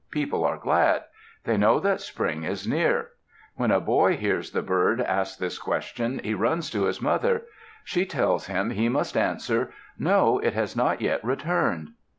people are glad. They know that spring is near. When a boy hears the bird ask this question, he runs to his mother; she tells him he must answer, "No; it has not yet returned."